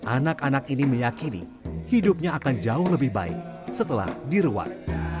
anak anak ini meyakini hidupnya akan jauh lebih baik setelah diruat